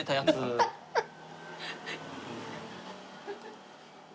ハハハッ。